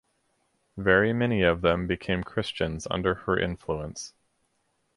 Very many of them became Christians under her influence.